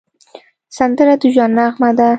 سندره د ژوند نغمه ده